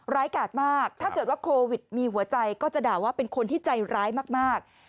กาดมากถ้าเกิดว่าโควิดมีหัวใจก็จะด่าว่าเป็นคนที่ใจร้ายมาก